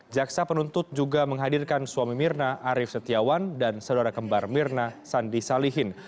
jaksa penuntut juga menghadirkan suami mirna arief setiawan dan saudara kembar mirna sandi salihin